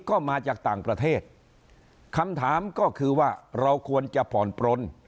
ก็มาจากต่างประเทศคำถามก็คือว่าเราควรจะผ่อนปลน